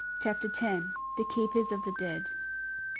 CHAPTER X. THE KEEPERS OF THE DEAD.